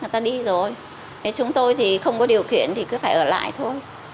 người ta đi rồi thế chúng tôi thì không có điều kiện thì cứ phải ở lại thôi